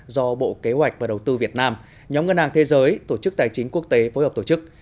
do bộ kế hoạch và đầu tư việt nam nhóm ngân hàng thế giới tổ chức tài chính quốc tế phối hợp tổ chức